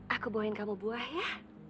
aku buangin kamu buah ya